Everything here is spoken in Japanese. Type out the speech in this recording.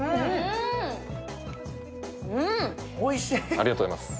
ありがとうございます。